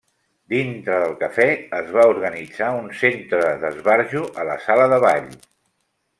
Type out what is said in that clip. Dintre del Café es va organitzar un Centre d'Esbarjo a la sala de ball.